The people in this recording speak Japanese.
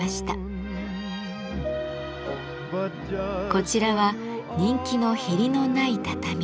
こちらは人気のへりのない畳。